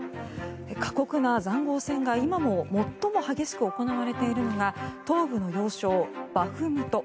過酷な塹壕戦が今も最も激しく行われているのが東部の要衝バフムト。